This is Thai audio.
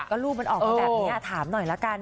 ก็รูปมันออกมาแบบนี้ถามหน่อยละกัน